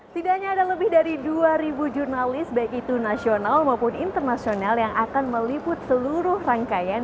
tidak hanya ada lebih dari dua ribu jurnalis baik itu nasional maupun internasional yang akan meliput seluruh rangkaian